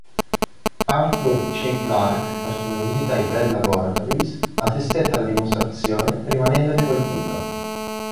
Arthur C. Clarke facendo visita ai Bell Laboratories, assistette alla dimostrazione rimanendone colpito.